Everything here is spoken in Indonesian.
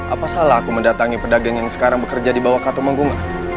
apa salah aku mendatangi pedagang yang sekarang bekerja di bawah katumenggung